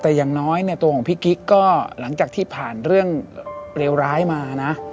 แต่อย่างน้อยเนี่ยตัวของพี่กิ๊กก็หลังจากที่ผ่านเรื่องเลวร้ายมานะ